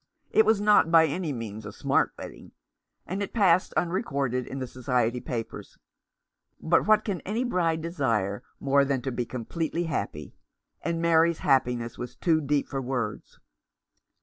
It was not by any means a smart wedding, and it passed unrecorded in the Society papers ; but what can any bride desire more than to be completely happy ? And Mary's happiness was too deep for words.